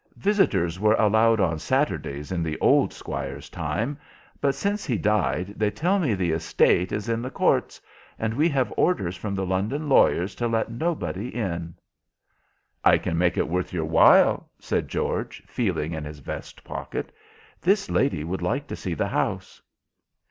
"Visitors were allowed on Saturdays in the old Squire's time, but since he died they tell me the estate is in the courts, and we have orders from the London lawyers to let nobody in." "I can make it worth your while," said George, feeling in his vest pocket; "this lady would like to see the house."